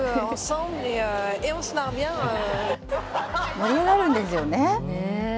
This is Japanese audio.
盛り上がるんですよね。